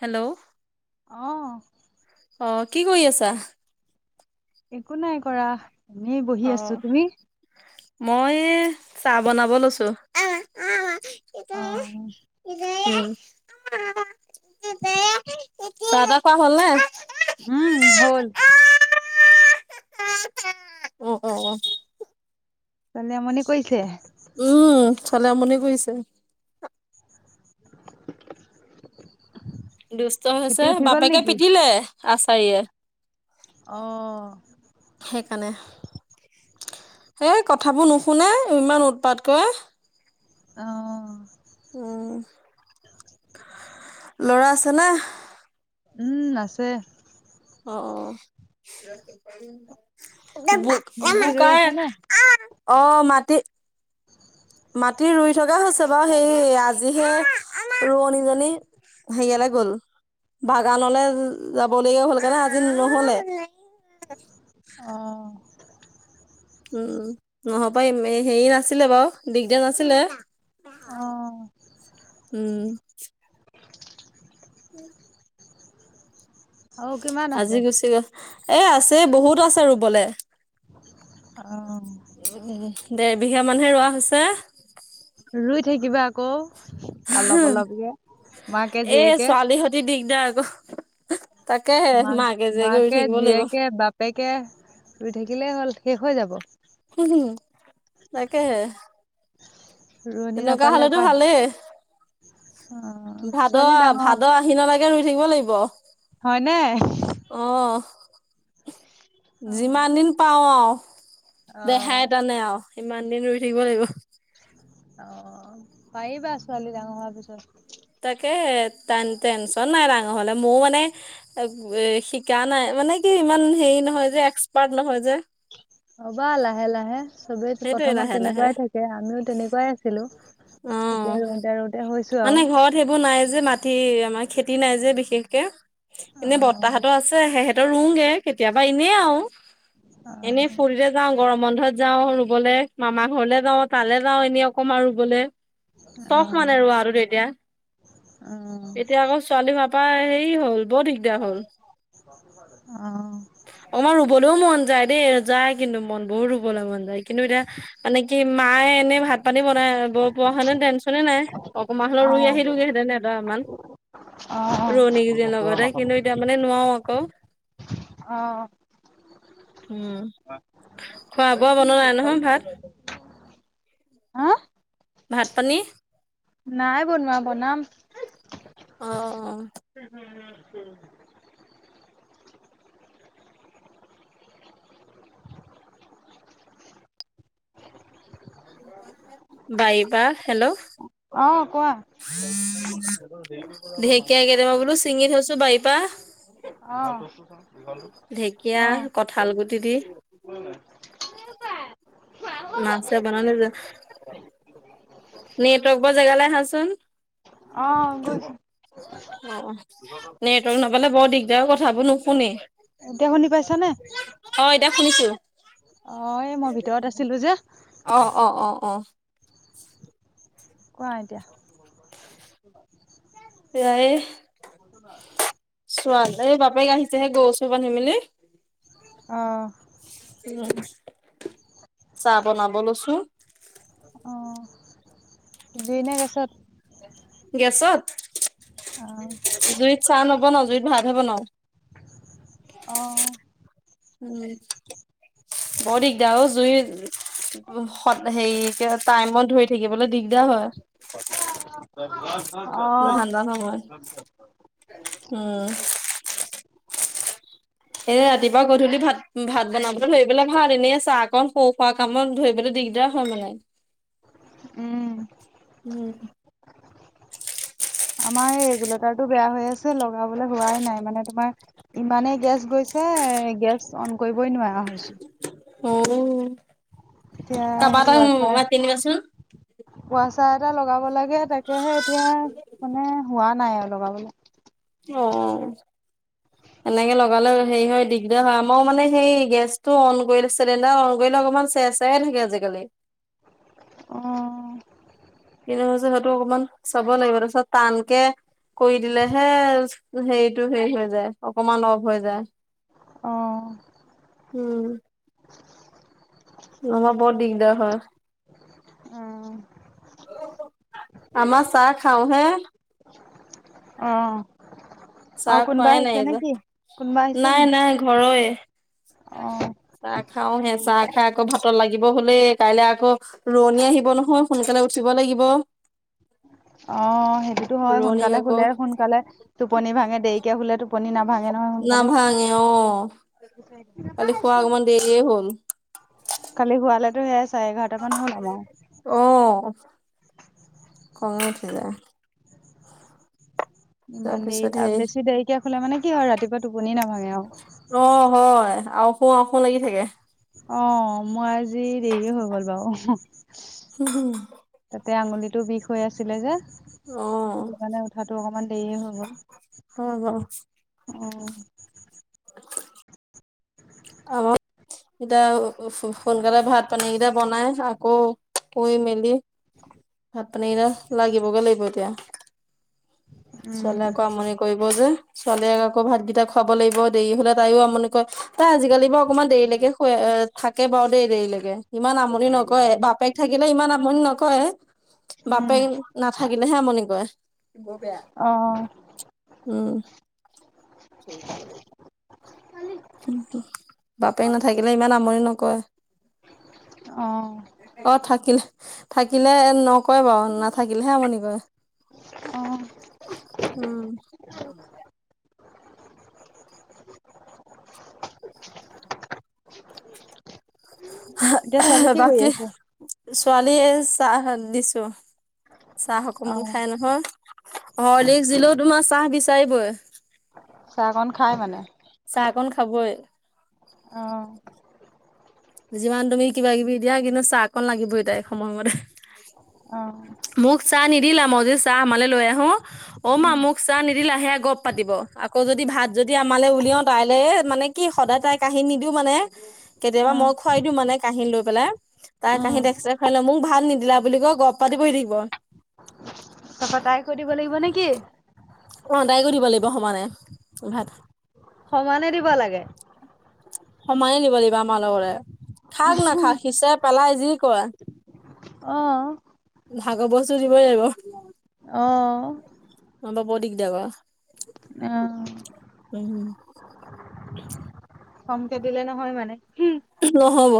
Hello. অঁ',। অ' কি কৰি আছা? একো নাই কৰা এনেই বহি আছো। তুমি? মই এই চাহ বনাব লৈছো। অ',। [unintelligible] [unintelligible] চাহ-তাহ খোৱা হ'ল নে? উম' হ'ল। অঁ', -অ', -অ',। ছোৱালী আমনি কৰিছে? উমঁ, ছোৱালী আমনি কৰিছে। [unintelligible] দুষ্ট খেতি হৈছে, উঠি গ'ল বাপেকে নেকি? পিধিলে আচাৰিয়ে। অ',। সেইকাৰণে। এই কথাবোৰ নুশুনে ইমান উৎপাত কৰে। অঁ',। উমঁ, ল'ৰা আছে নে? উমঁ, আছে। অ', মাটি ৰুই আছা -অ',। নে? অ' মাটি [unintelligible] মাটি ৰুই থকা হৈছে বাৰু, সেই আজিহে ৰোৱনীজনী- হেৰিয়ালৈ গ'ল বাগানলে যাবলগীয়া হ'ল কাৰণে আজি নহ'লে। অ'। উম-উম। ন'হবা হেৰি নাছিলে বাৰু দিগদাৰ নাছিলে। অঁ',। উমঁ। [unintelligible] আৰু কিমান আজি আছে? গুচি গ'ল। এ' আছে বহুত আছে ৰুবলে। অ' উম, দেৰ বিঘা মান'হে ৰোৱা হৈছে। ৰুই থাকিবা আকৌ অলপ-অলপকে এ মাকে-জীয়েকে। ছোৱালী দিগদাৰ আকৌ, তাকে'হে মাকে-জীয়েকে ৰুই থাকিব লাগিব। তাকে, ৰুই থাকিলেই হ'ল শেষ হৈ যাব। হুম-হুম। তাকে'হে, ৰোৱনী তেনেকুৱা নাপালে হ'লেতো উপায় ভালেই। অ' ভাদ, ছোৱালী ডাঙৰ ভাদ-আহিনলৈকে ৰুই থাকিব লাগিব। হয় নে। অঁহ'। যিমান অ' দিন পাৰো আৰু অ', দেহাই তানে আৰু। ইমান দিন ৰুই থাকিব লাগিব। অ', পাৰিবা ছোৱালী ডাঙৰ হোৱাৰ পিছত। তাকেহে টেন টেনচন নাই ডাঙৰ হ'লে মোৰ মানে এ' শিকা নাই মানে কি ইমান হেৰি নহয় যে এক্সপাৰ্ট নহয় যে। হবা লাহে লাহে চবেই সেইটোৱে প্ৰথমত লাহে লাহে তেনেকুৱাই থাকে আমিও তেনেকুৱাই আছিলো‌ এতিয়া অ'। ৰুউতে ৰুউতে মানে ঘৰত সেইবোৰ নাই যে, মাটি আমাৰ খেতি নাই যে বিশেষকে, মানে অ', বৰতা হতৰ আছে সেই সে সেহেতৰ ৰুংগে কেতিয়াবা এনেই আও এনেই অ', ফূৰ্তিতে যাওঁ গৰম বন্ধত যাওঁ ৰুবলে মামা ঘৰলৈ যাওঁ, তালৈ যাওঁ এনেই অকণমান ৰুবলে। চখ অ', মানে ৰোৱা আৰু তেতিয়া অ', এতিয়া আকৌ ছোৱালী মাক হোৱাৰ পা হেৰি হ'ল বৰ দিগদাৰ হ'ল অ ম ৰুব ৰুবলৈও মন যায় দেই যায় কিন্তু মন বহুত ৰুবলে মন যায় কিন্তু এতিয়া মানে কি মায়ে এনে ভাত পানী বনাই ব পোৱা হেতেন টেনচনে নাই। মই হলো ৰুই আহিলগে হেতেন এদৰামান অ', অ', ৰুৱনি কেইজনী লগতে কিন্তু এতিয়া মানে নোৱাৰো আক। অ উম, খোৱা বোৱা বনোৱা নাই নহয় ভাত হাআ ভাত পানী নাই বনোৱা বনাম। অ অ [unintelligible] বাৰিপা হেল্ল হেল্ল অ কোৱা ঢেকীয়া কেইটামান বোলো চিঙি থৈছো বাৰিপা অ অ ঢেকীয়া কঁঠাল গুটি দি [unintelligible] মাছে বনালে যে নেটৱৰ্ক পোৱা জেগাল আহাচোন। অ', গৈছো অ, অ নেটৱৰ্ক না পালে বৰ দিগদাৰ অ কথাবোৰ নুশুনে এতিয়া শুনি পাইছ নে? অ এতিয়া শুনিছো। অ এই মই ভিতৰত আছিলো যে অ অ অ অ [unintelligible] কোৱা এতিয়া এয়াই চোৱা এই বাপেক আহিছেহে গৰু চৰু বান্ধি মেলি অ উ চাহ বনাব লৈছো। অ জুই নে গেছত? গেছত অ', জুইত চাহ নবনাও জুইত ভাতহে বনাওঁ। অ অ উম বৰ দিগদাৰ অ জুইত সত হেৰিকে টাইমত ধৰি থাকিবলে দিগদাৰ হয়। [unintelligible] [unintelligible] উম এ ৰাতিপুৱা গধূলি ভাত ভাত বনাবলৈ ধৰিবলে ভাল এনেই চাহ কণ সৰু সুৰাকে কামত ধৰিবলৈ দিগদাৰ হয় মানে। উম। উম। আমাৰ এই ৰেগুলেটাৰটো বেয়া হৈ আছে, লগাবলৈ হোৱাই নাই মানে তোমাৰ ইমানেই গেছ গৈছে গেছ অন কৰিবই নোৱাৰা হৈছো। অ', এতিয়া কাবা সেই এটাক ৱাচাৰ মাতি নিবাচোন। ৱাচাৰ এটা লগাব লাগে তাকেহে এতিয়া মানে হোৱা নাই আৰু লগাবলে। অ'। এনেকে লগালেও হেৰি হয়, দিগদাৰ হয় আমাৰ মানে সেই গেছ টো অন কৰিলে চিলিণ্ডাৰ অন কৰিলে অকণমান চেচ- চে চেয়াই থাকে আজিকালি। অ'। কিনো হৈছে সেইটো অকমান চাব লাগিব তাৰ পিছত টানকে কৰি দিলেহে হেৰিটো হেৰি হৈ যায়, অকনমান অফ হৈ যায়। অ'। উম। নহ'বা বৰ দিগদাৰ হয়। উম। আমাৰ চাহ খাও হে। অ', চাহ আৰু কোনোবা খোৱাই নাই আহিছে যে নেকি? কোনোবা আহিছে নাই নি? নাই ঘৰয়ে। অ'। চাহ খাও হে, চাহ খাই আকৌ ভাতৰ লাগিব হ'লেই কাইলে আকৌ ৰোৱনী আহিব নহয় সোনকালে উঠিব লাগিব। অ', সেইটোতো হয়, ৰোৱনীক সোনকালে আকৌ শুলে সোনকালে টোপনি ভাঙে দেৰিকে শুলে টো টোপনি নাভাঙে নহয় সোনকালে। নাভাঙে অ', এই হ'ল। কালি শুৱালেতো সেয়াই চাৰে এঘাৰটামান হ'ল আমাৰো। অ', খঙ উঠি যায়। [inaudible] ইমান দেৰি তাৰপিছত আৰু হেৰি বেছি দেৰিকে শুলে মানে কি হয়, ৰাতিপুৱা টোপনি নাভাঙে আৰু। অ', হয়, আও শু আও শু লাগি থাকে। অ', মই আজি দেৰিয়ে হৈ গ'ল বাৰু। [unintelligible] তাতে আঙুলিটো বিষ হৈ আছিলে যে? অ'। সেইটোকাৰণে উঠাটো অকমান দেৰি হৈ গ'ল, হয় বাৰু, উম। অ', এতিয়া সো-সো-সোনকালে ভাত পানীকেইটা বনাই আকৌ ক'ই মেলি, ভাত-পানী কেইটা লাগিবগে লাগিব এতিয়া। উম, ছোৱালীয়ে আকৌ আমনি কৰিব যে, ছোৱালীয়ে আকৌ ভাতকেইটা খুৱাব লাগিব। দেৰি হ'লে তাইও আমনি কৰে, তাই আজিকালি বাৰু অকমান দেৰিলৈকে শুৱে থাকে বাৰু দেই দেৰিলৈকে, ইমান আমনি নকৰে বাপেক থাকিলে ইমান আমনি নকৰে। উম। বাপেক নাথাকিলেহে আমনি কৰে, অ', উম। [unintelligible] উম' উম, বাপেক নাথাকিলে ইমান আমনি নকৰে। অঁ'। অঁ থাকিল, থাকিলে নক- কয় বাৰু নাথাকিলেহে আমনি কৰে, অ'। উম। [unintelligible] [unintelligible] অহ' এতিয়া ছোৱালী আহা, কি কৰি বাকী আছে? ছোৱালীয়ে চাহ দিছো। চাহ অকমান অ' খাই নহয়, হৰলিক্স দিলেও তোমাৰ চাহ বিচাৰিবই। চাহকণ খায় মানে? চাহকন খাবই। অঁ' যিমান তুমি কিবা কিবি দিয়া, কিন্তু চাহকণ লাগিবই তাইক সময়মতে। অঁ'। মোক চাহ নিদিলা, মই যদি চাহ আমালে লৈ আহোঁ- অ' মা উম, মোক চাহ নিদিলা, সেয়া গপ পাতিব। আকৌ যদি ভাত যদি আমালে উলিয়াওঁ তাইলে এ মানে- কি সদায় তাই কাহি নিদিও মানে, কেতিয়াবা উম। মই খোৱাই দিওঁ মানে কাহিত লৈ পেলাই- তাই উম, কাঁহীত এক্সতাৰে খাই লৈ মোক ভাত নিদিলা বুলি কয় গপ পাতি বহি থাকিব। তাপা তাই কো দিব লাগিব নেকি? অঁ তাইকো দিব লাগিব সমানে ভাত। সমানে দিব লাগে? সমানে নিব লাগিব আমাৰ লগতে, খাক নাখাক সিচে পেলাই যি কৰে। অঁ অঁ। ভাগৰ বস্তু দিবই লাগিব। অঁ অঁ। নহ'বা বৰ দিগদাৰ কৰে। অ'। উম। কমকে দিলে নহয় মানে? হুম। নহব,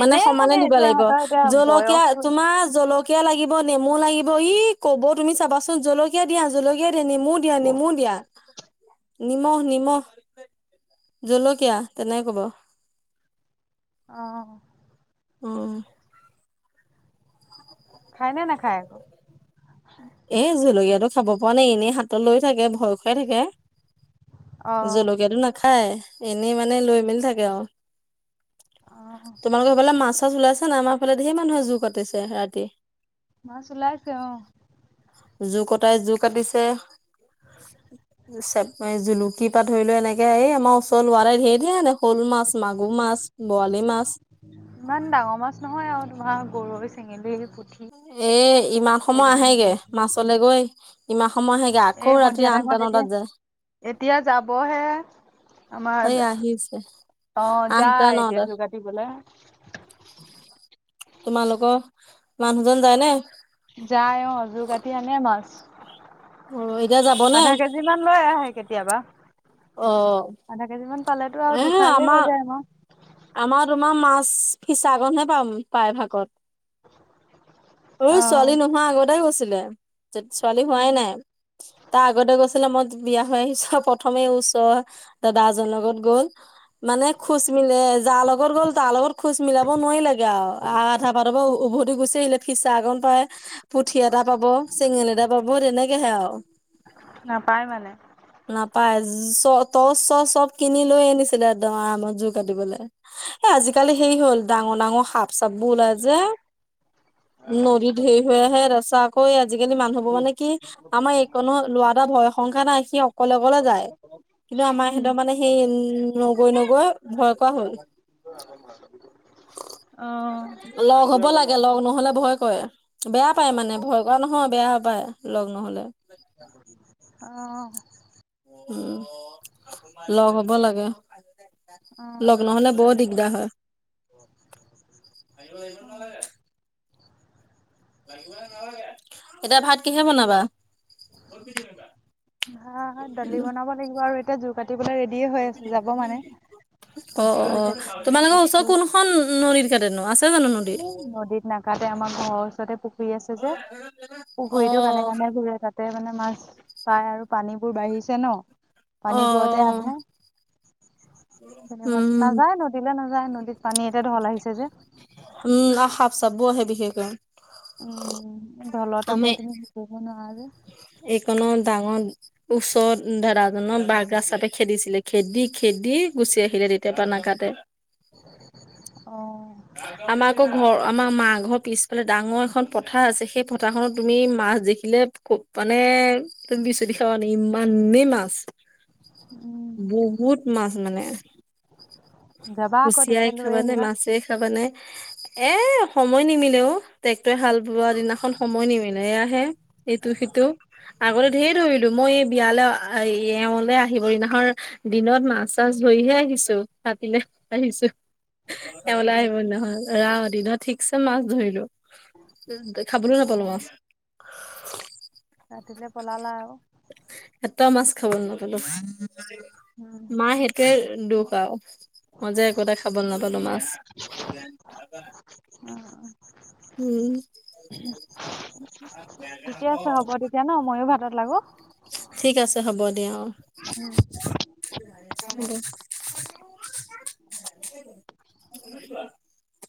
মানে সমানে দিব এইটো লাগিব। ইহঁতৰ এতিয়া জলকীয়া বয়সটো তোমাৰ জলক- কীয়া লাগিব নেমু লাগিব, ই ক'ব তুমি চাবাচোন, জলকীয়া দিয়া জলকীয়া দিয়া নেমু দিয়া নেমু দিয়া। নিমখ নিমখ জলকীয়া তেনেক কব। অঁ অ। অঁহ। খাই নে নাখায় আকৌ? এ জলকীয়াটো খাব পোৱা নাই এনেই হাতত লৈ থাকে ভয় খুৱাই থাকে। অ'। জলকীয়াটো নাখায়, এনেই মানে লৈ মেলি থাকে আৰু। অঁহ'। তোমালোকৰ সেইফালে মাছ চাছ ওলাইছে নাই? আমাৰফালে ধেইৰ মানুহে জোৰ পাটিছে ৰাতি। মাছ ওলাইছে অঁহ। জু কটাই জু কাটিছে- চেপাঁ জুলুকিৰ পৰা ধৰি লৈ এনেকে এই আমাৰ ওচৰ লৰাই এটাই ঢেৰ ধেৰ আনে শ'ল মাছ, মাগুৰ মাছ। বৰালি মাছ। ইমান ডাঙৰ মাছ নহয় আৰু তোমাৰ গৰৈ, চেঙেলী, পুঠি। এ ইমান সময় সৰু সৰু আহেগে, মাছ মাছলে গৈ ইমান সময় আহে- গে, আকৌ এই ৰাতি সন্ধিয়া আঠটা টাইমত নটাত এতিয়া যায়। এতিয়া যাবহে। আমাৰ সেই দে আহিছে অঁ আঠটা যায় এতিয়া নটাত যো কাটিবলে। তোমালোকৰ মানুহজন যায় নে? যায় অ' যোৰ কাটি আনে মাছ। অ' এতিয়া যাব নে? যিমান লৈ আহে কেতিয়াবা। অঁ। আধা কেজি মান পালেতো আৰু দুসাঁজেই হৈ যায় আমাৰ। আমাৰ তোমাৰ মাছ ফিচাকনহে পাম প্ৰায় ভাগত। সৰু অ', ছোৱালী নোহোৱা আগতে গৈছিলে। ছোৱালী হোৱাই নাই তাৰ আগতে গৈছিলে। মই বিয়া হৈ আহিছো প্ৰথমে ওচৰৰ দাদা এ জনৰ লগত গ'ল। মানে খোজ মিলে যাৰ লগত গ'ল তাৰ লগত খোজ মিলাব নোৱাৰিলেগে আৰু, আ আধা বাটৰ পৰা উভতি গুচি আহিলে। ফিচাকন পাই পুঠি এটা পাব চেঙেলী এটা পাব তেনেকেহে আৰু। নাপায় মানে? নাপায়। চ টচ চচ চব কিনি লৈ আনিছিলে একদম আৰামত জোৰ কাটিবলে। এ আজিকালি সেই হ'ল ডাঙৰ ডাঙৰ সাপ চপ বোৰ ওলাই যে, নদীত হেৰি হৈ আহে। তাৰপিছত আ কৌ আজিকালি মানুহবোৰ মানে কি আমাৰ এই কনৰ ল'ৰা এটা ভয় সংকা নাই সি অকলে অকলে যায়। কিন্তু আমাৰ উম, সিহঁতৰ মানে সেই উম নগৈ নগৈ ভয় কৰা হ'ল। [unintelligible] অ'। লগ হ'ব লাগে, লগ নহ'লে ভয়- কৰে, বেয়া পায় মানে ভয় কৰা নহয় বেয়া পায় লগ নহ'লে। অঁ। উম, লগ হ'ব লাগে, অ', লগ নহ'লে বৰ দি দাৰ হয়। অ', এতিয়া ভাত কিহে বনাবা? ভাত দালি বনাব লাগিব, আৰু এতিয়া জোৰ কাটিবলৈ ৰেড ডী হৈ আছে যাব মানে। টৰ্চটো বিচাৰি ফুৰিছে। টৰ্চটো কোনন নদীত কাটেনো, আছে যানো কোনো নদীত নাকাটে, আমাৰ ঘৰৰ ওচৰতে পু খুৰী আছে যে, অ পুখুৰীটোৰ কানে কানে ঘূৰে, তাত তে মানে মাছ পাই আৰু, পানীবোৰ বাঢ়িছে ন। অ পানীবোৰতহে অ'। আহে, তেনেকুৱা উম নাযায় ন দীলে নাযায়, নদীত পানী এতিয়া ঢল আহিছে যে। উম, আৰু সাপ চাপ বোৰ আহে বিশেষকৈ। উম, ঢলত আমি আকৌ তুমি সাতুৰিব নোৱাৰা যে। এইকণত ডাঙৰ ওচৰৰত দাদাজনক বাৰগাজ সাপে খেদিছিলে, খেদি খেদি গুচি আহিলে তেতিয়া পা নাকাটে। হয়। আমাৰ আকৌ ঘৰ আমাৰ মা ঘৰৰ পিছফালে ডাঙৰ এখন পথাৰ আছে। সেই পথাৰখনত তুমি মাছ দেখিলে ক মানে তুমি বিচুতি খাৱ নেই ইমানেই মাছ। উম বহুত মাছ মানে। যাবা আকৌ কুচিয়াই তেতিয়া লৈ খাবানে আহিবা মাছে খাবা নে এ সময় নিমিলে অও ট্ৰেক্টৰে হাল বোৱা দিনাখন সময় নিমিলে এয়া হে এইটো সিটো আগতে ধেৰ ধৰিলো মই এই বিয়ালে আ এ এওঁলে আহিবৰ দিনাখন দিনত মাছ চাছ ধৰিহে আহিছো ৰাতিলে আহিছো হয় এওলে আহিব নেকি দিনাখন ৰাও দিনত ঠিকছে মাছ ধৰিলো খাবলও নাপালো অ', মাছ ৰাতিলে পলালা আউ এটাও মাছ খাবলে নাপালো উম মাহেত টোৱেৰ দুখ আউ মই যে একোটা খাবলে নাপালো মাছ উম উ ঠিকে আছে হ'ব তেতিয়া ন মইয়ো ভাতত লাগো ঠিক আছে হ'ব দিয়া অ উম হ'ব হব